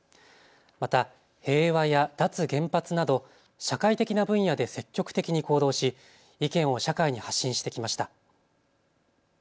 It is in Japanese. また平和や脱原発など社会的な分野で積極的に行動し意見を社会に発信してきました。